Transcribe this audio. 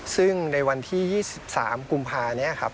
ซึ่งในวันที่๒๓กุมภานี้ครับ